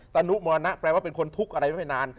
ตนุมรณะแปลว่าเป็นคนทุกข์อะไรไว้ไม่นาน